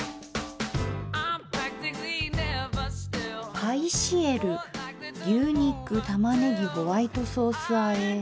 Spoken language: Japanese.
「パイシエル牛肉玉ねぎホワイトソース和え」。